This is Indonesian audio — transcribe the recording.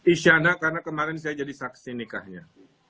isyana karena kemarin saya jadi saksi nikahnya